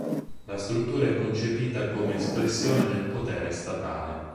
La struttura è concepita come espressione del potere statale.